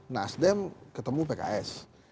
nasdem ketemu pks